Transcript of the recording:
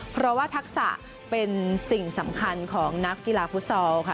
เพราะว่าทักษะเป็นสิ่งสำคัญของนักกีฬาฟุตซอลค่ะ